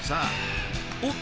［おっ？